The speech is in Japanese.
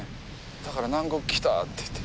だから南国来たっていって。